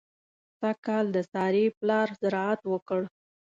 سږ کال د سارې پلار زراعت وکړ.